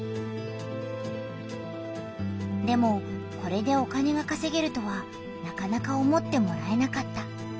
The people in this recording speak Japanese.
でもこれでお金がかせげるとはなかなか思ってもらえなかった。